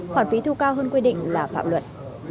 khoản phí thu cao hơn quy định là phạm luật